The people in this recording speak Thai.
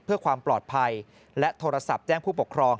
เพื่อความปลอดภัยและโทรศัพท์แจ้งผู้ปกครอง